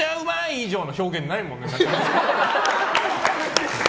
以上の表現ないもんね。